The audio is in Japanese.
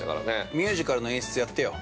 ◆ミュージカルの演出やってよ。